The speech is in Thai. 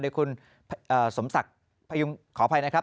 โดยคุณสมศักดิ์พยุงขออภัยนะครับ